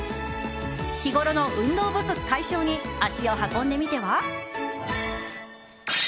日ごろの運動不足解消に足を運んでみては？